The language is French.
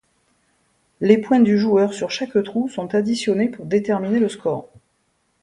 Les points du joueur sur chaque trou sont additionnés pour déterminer le score.